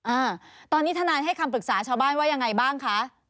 อ่าตอนนี้ทนายให้คำปรึกษาชาวบ้านว่ายังไงบ้างคะ